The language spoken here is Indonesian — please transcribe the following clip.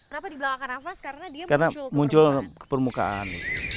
kenapa di belakang nafas karena dia muncul ke permukaan